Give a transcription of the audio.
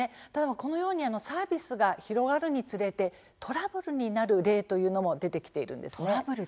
このようにサービスが広がるにつれてトラブルになる例も出てきています。